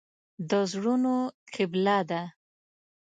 د زړونو قبله ده.